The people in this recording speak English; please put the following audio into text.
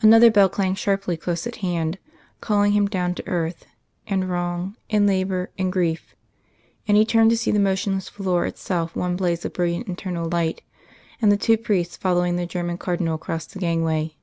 _" Another bell clanged sharply close at hand, calling him down to earth, and wrong, and labour and grief; and he turned to see the motionless volor itself one blaze of brilliant internal light, and the two priests following the German Cardinal across the gangway.